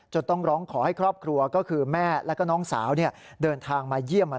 ต้องร้องขอให้ครอบครัวก็คือแม่แล้วก็น้องสาวเดินทางมาเยี่ยม